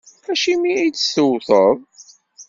Acimi i tt-tewwteḍ?